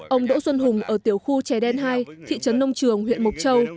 ông đỗ xuân hùng ở tiểu khu trè đen hai thị trấn nông trường huyện mộc châu